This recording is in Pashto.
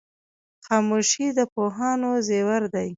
خاموشي د پوهانو زیور دی.